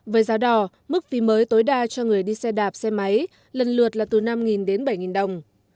với giá đò mức phí mới tối đa cho người đi xe đạp xe máy lần lượt là từ năm đến bảy đồng